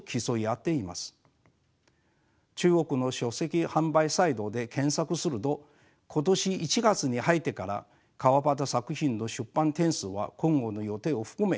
中国の書籍販売サイトで検索すると今年１月に入ってから川端作品の出版点数は今後の予定を含め８０冊を超えています。